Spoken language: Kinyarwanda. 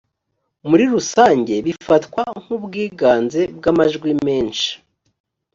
muri rusange bifatwa n’ubwiganze bw amajwi menshi.